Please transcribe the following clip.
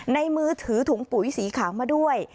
มือถือถุงปุ๋ยสีขาวมาด้วย